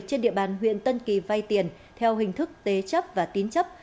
trên địa bàn huyện tân kỳ vay tiền theo hình thức tế chấp và tín chấp